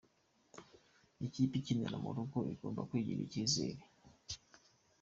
Ikipe ikinira mu rugo igomba kwigirira icyizere.